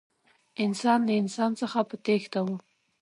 انسان له انسان څخه په تېښته و.